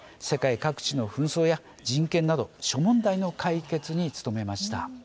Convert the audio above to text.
世界各地の紛争や人権など諸問題の解決に努めました。